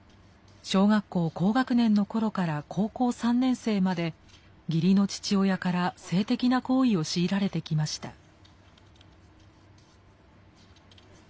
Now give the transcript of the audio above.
小学校高学年の頃から高校３年生まで義理の父親から性的な行為を強いられてきました。